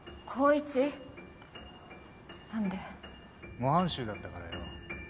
模範囚だったからよ。